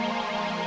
terima kasih at nie